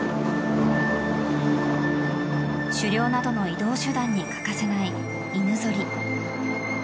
狩猟などの移動手段に欠かせない犬ぞり。